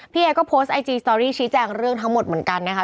เอก็โพสต์ไอจีสตอรี่ชี้แจงเรื่องทั้งหมดเหมือนกันนะคะ